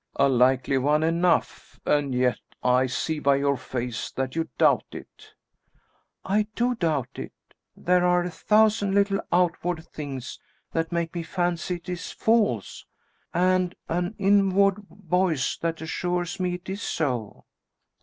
"A likely one enough, and yet I see by your face that you doubt it." "I do doubt it! There are a thousand little outward things that make me fancy it is false, and an inward voice that assures me it is so."